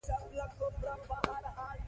موږ د اضطراب په اړه خبرې کوو.